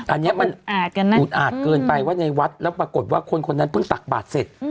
อันนี้มันอุดอาจเกินไปว่าในวัดแล้วปรากฏว่าคนคนนั้นเพิ่งตักบาทเสร็จ